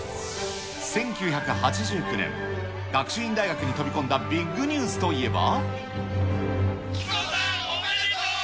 １９８９年、学習院大学に飛び込んだビッグニュースといえば。